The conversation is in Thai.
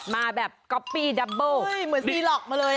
มาแบบก๊อปปี้ดับเบอร์ใช่เหมือนซีหลอกมาเลย